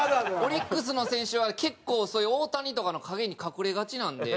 オリックスの選手は結構そういう大谷とかの陰に隠れがちなんで。